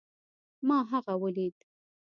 ما هغه وليد